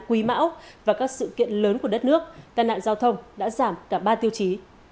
quý mão và các sự kiện lớn của đất nước tai nạn giao thông đã giảm cả ba tiêu chí